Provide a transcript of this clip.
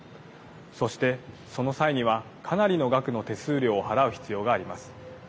そして、その際にはかなりの額の手数料を払う必要があります。